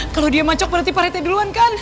kalau dia macok berarti paretnya duluan kan